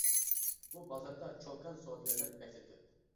بۇ بازاردا چوكان سودىگەرلەر بەكلا كۆپ.